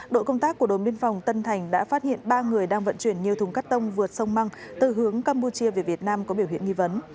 đội công tác của đồn biên phòng tân thành đã phát hiện ba người đang vận chuyển nhiều thùng cắt tông vượt sông măng từ hướng campuchia về việt nam có biểu hiện nghi vấn